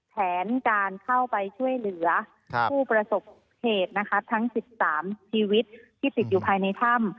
แผนการเข้าไปช่วยเหลือผู้ประสบเหตุนะคะทั้ง๑๓ชีวิตที่ติดอยู่ภายในถ้ำ